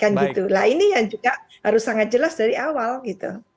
nah ini yang juga harus sangat jelas dari awal gitu